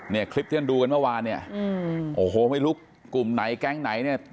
เนี่ยคลิปที่ท่านดูกันเมื่อวานเนี่ยโอ้โหไม่รู้กลุ่มไหนแก๊งไหนเนี่ย